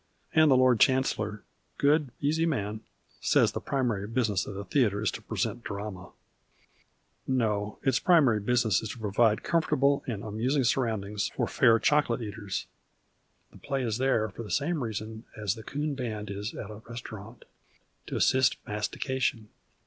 And the Lord Chancellor, good, easy man, says the primary business of the theatre is to present drama ! No, its primary business is to provide comfortable and amusing surroundings for fair chocolate caters. The play is there for the same reason the coon band is at a restaurant, to assist mastication.